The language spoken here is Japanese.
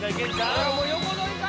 ほらもう横取りか？